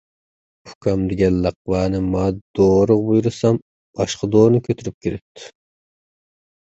ئۇكام دېگەن لەقۋانى ماۋۇ دورىغا بۇيرۇسام، باشقا دورىنى كۆتۈرۈپ كىرىپتۇ.